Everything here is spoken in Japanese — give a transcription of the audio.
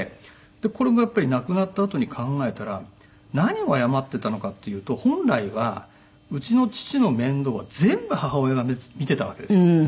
でこれもやっぱり亡くなったあとに考えたら何を謝ってたのかっていうと本来はうちの父の面倒は全部母親が見てたわけですよ。